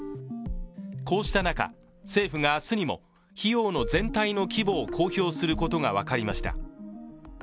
こうした中、政府が明日にも費用の全体の規模を公表することが分かりました。